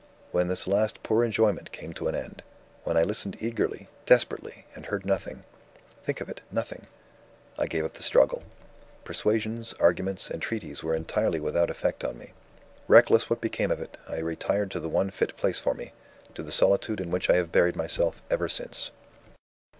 When this last poor enjoyment came to an end when I listened eagerly, desperately, and heard nothing (think of it, nothing!) I gave up the struggle. Persuasions, arguments, entreaties were entirely without effect on me. Reckless what came of it, I retired to the one fit place for me to the solitude in which I have buried myself ever since."